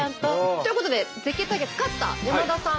ということで絶景対決勝った山田さん